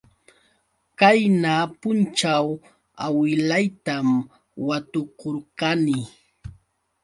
Qayna punćhaw awilaytam watukurqani.